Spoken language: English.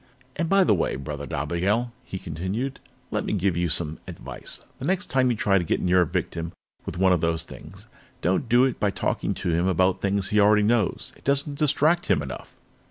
"And by the way, Brother Dobigel," he continued, "let me give you some advice. The next time you try to get near a victim with one of those things, don't do it by talking to him about things he already knows. It doesn't distract him enough."